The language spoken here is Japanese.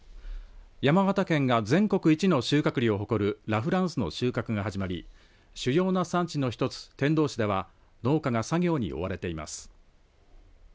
山形県が全国一の収穫量を誇るラ・フランスの収穫が始まり主要な産地の一つ天童市では農家が作業に追われています。